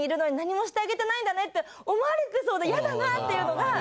って思われてそうで嫌だなっていうのが。